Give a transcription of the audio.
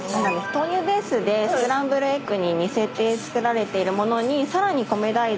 豆乳ベースでスクランブルエッグに似せて作られているものにさらにＫＯＭＥＤＡｉｓ